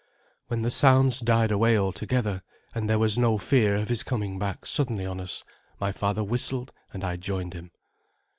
When the sounds died away altogether, and there was no fear of his coming back suddenly on us, my father whistled and I joined him.